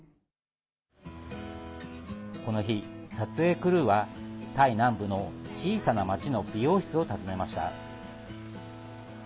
この日、撮影クルーはタイ南部の小さな町の美容室を訪ねました。